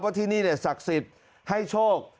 ที่นี่ศักดิ์สิทธิ์ให้โชค